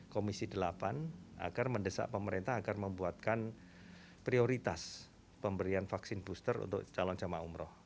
komisi delapan agar mendesak pemerintah agar membuatkan prioritas pemberian vaksin booster untuk calon jamaah umroh